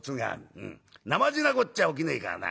なまじなこっちゃ起きねえからな。